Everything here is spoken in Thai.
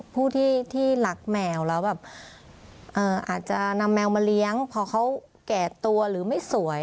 ผู้ที่รักแมวแล้วแบบอาจจะนำแมวมาเลี้ยงพอเขาแก่ตัวหรือไม่สวย